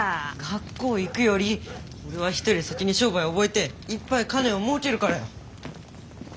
学校行くより俺は人より先に商売覚えていっぱい金をもうけるからよ。